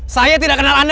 saya tidak kenal anda